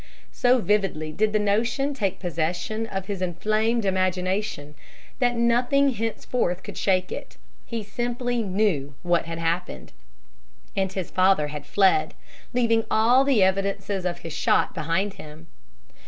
So vividly did the notion take possession of his inflamed imagination that nothing henceforth could shake it. He simply knew what had happened. And his father had fled, leaving all the evidences of his shot behind him!